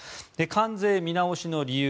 関税見直しの理由